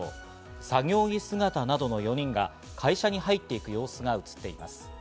作業着姿などの４人が会社に入っていく様子が映っています。